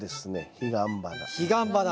ヒガンバナ。